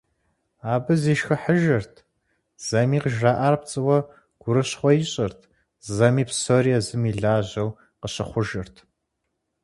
Абы зишхыхьыжырт, зэми къыжраӏар пцӏыуэ гурыщхъуэ ищӀырт, зэми псори езым и лажьэу къыщыхъужырт.